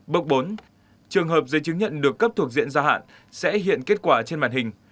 bước bốn trường hợp giấy chứng nhận được cấp thuộc diện gia hạn sẽ hiện kết quả trên màn hình